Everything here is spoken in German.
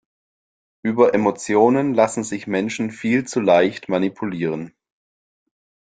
Über Emotionen lassen sich Menschen viel zu leicht manipulieren.